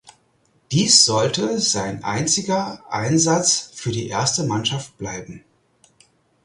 Dies sollte sein einziger Einsatz für die erste Mannschaft bleiben.